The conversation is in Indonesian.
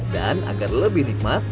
dan agar lebih nikmat